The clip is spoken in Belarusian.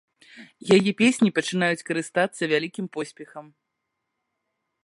Яе песні пачынаюць карыстацца вялікім поспехам.